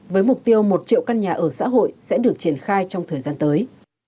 với mục tiêu một triệu căn nhà ở xã hội sẽ được triển khai trong thời gian tới